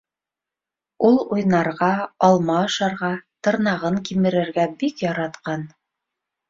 Ул уйнарға, алма ашарға, тырнағын кимерергә бик яратҡан.